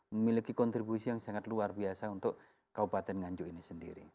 memiliki kontribusi yang sangat luar biasa untuk kabupaten nganjuk ini sendiri